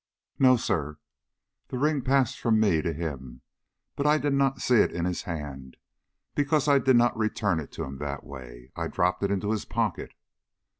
"No, sir. The ring passed from me to him, but I did not see it in his hand, because I did not return it to him that way. I dropped it into his pocket."